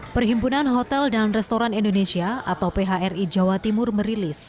perhimpunan hotel dan restoran indonesia atau phri jawa timur merilis